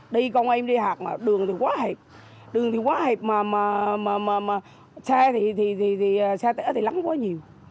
đi con em đi hạt mà đường quá hệt đường thì quá hệt mà xe thì lắm quá nhiều